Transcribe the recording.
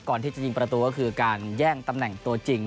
ก่อนที่จะยิงประตูก็คือการแย่งตำแหน่งตัวจริง